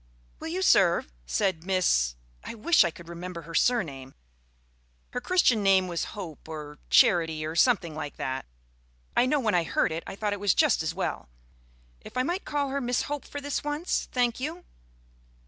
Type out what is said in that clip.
_) "Will you serve?" said Miss I wish I could remember her surname. Her Christian name was Hope or Charity or something like that; I know, when I heard it, I thought it was just as well. If I might call her Miss Hope for this once? Thank you.